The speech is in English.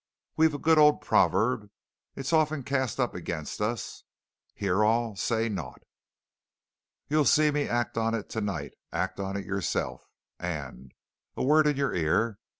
We've a good old proverb it's often cast up against us: 'Hear all say naught!' You'll see me act on it tonight act on it yourself. And a word in your ear!